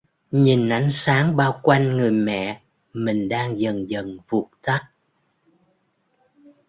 Nhìn ánh sáng bao quanh người mẹ mình đang dần dần vụt tắt